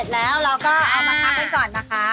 เราก็เอามาทับก่อนนะคะ